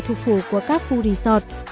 thủ phủ của các khu resort